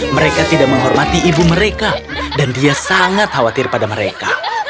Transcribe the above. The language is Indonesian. mereka tidak menghormati ibu mereka dan dia sangat khawatir pada mereka